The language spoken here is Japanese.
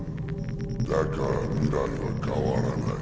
だから未来は変わらない。